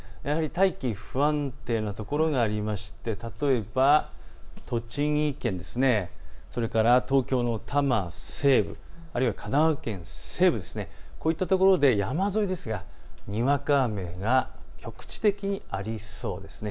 大気、不安定なところがありまして例えば栃木県、それから東京の多摩西部、あるいは神奈川県西部、こういったところで山沿い、にわか雨が局地的にありそうです。